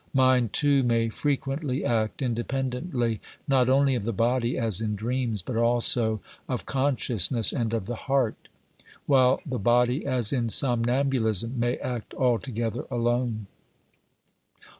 Mind, too, may frequently act independently, not only of the body, as in dreams, but, also, of consciousness and of the heart; while the body, as in somnambulism, may act altogether alone.